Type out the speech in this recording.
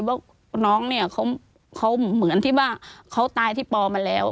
ว่าน้องเนี่ยเขาเหมือนที่ว่าเขาตายที่ปอมาแล้ว